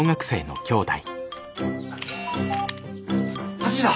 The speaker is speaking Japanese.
８時だ！